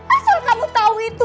asal kamu tau itu